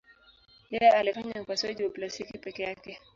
Yeye alifanya upasuaji wa plastiki peke yake.